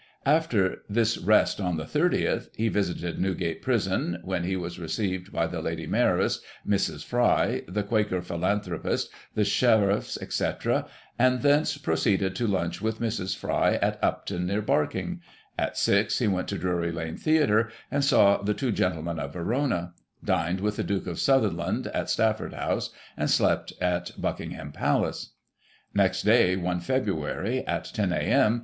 After this rest on the 30th, he visited Newgate Prison, when he was received by the Lady Mayoress, Mrs. Fry, the Quaker philanthropist, the Sheriffs, etc, and thence proceeded to lunch with Mrs. Fry, at Upton, near Barking; at six he went to Drury Lane Theatre, and saw The Two Gentlemen of Verona ; dined with the Duke of Sutherland at Stafford House, and slept at Buckingham Palace. Next day, i Feb., at 10 a.m.